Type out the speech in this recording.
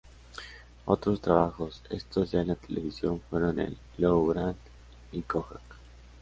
Otros trabajos, estos ya en la televisión, fueron en "Lou Grant" y "Kojak".